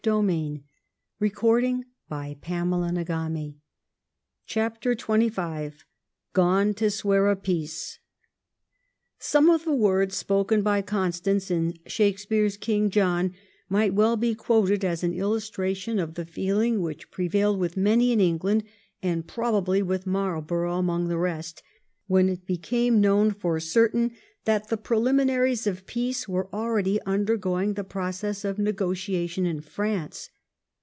o 82 THE EEIGN OF QUEEN ANNE. oh. xxv. CHAPTEE XXV ' GONE TO SWEAR A PEACE ' Some of the words spoken by Constance in Shake speare's ' King John ' might well be quoted as an illustration of the feeling which prevailed with many in England, and probably with Marlborough among the rest, when it became known for certain that the preHminaries of peace were already undergoing the process of negotiation in France.